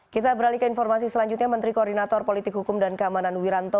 kita beralih ke informasi selanjutnya menteri koordinator politik hukum dan keamanan wiranto